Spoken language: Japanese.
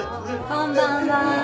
こんばんは。